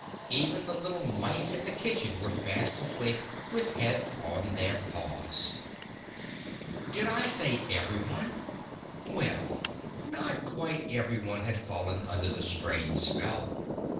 Even the little mice in the kitchen were fast asleep, with heads on their paws. Did I say everyone? Well, not quite everyone had fallen under the strange spell.